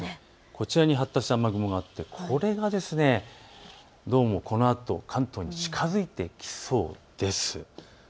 こちらに発達した雨雲があってこれがこのあと関東に近づいてきそうです。